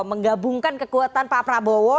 menggabungkan kekuatan pak prabowo